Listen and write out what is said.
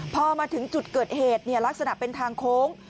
พอมาถึงจุดเกิดเหตุลักษณะเป็นทางโค้ง